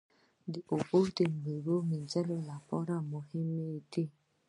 اوبه د میوې وینځلو لپاره مهمې دي.